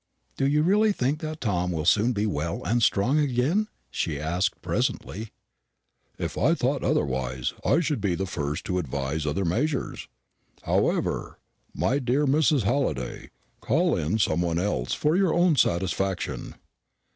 "Do you really think that Tom will soon be well and strong again?" she asked presently. "If I thought otherwise, I should be the first to advise other measures. However, my dear Mrs. Halliday, call in some one else, for your own satisfaction."